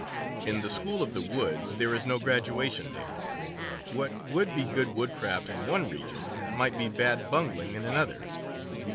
In the school of the woods there is no graduation day. What would be good woodcraft in one region might be bad bungling in another.